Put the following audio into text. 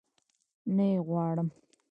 نه يي غواړم